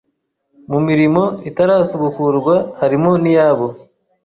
Mu mirimo itarasubukurwa harimo niyabo